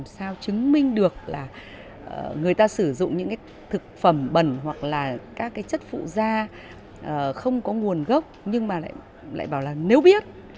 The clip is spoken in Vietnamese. sao chứng minh được là người ta sử dụng những cái thực phẩm bẩn hoặc là các cái chất phụ da không có nguồn gốc nhưng mà lại bảo là nếu biết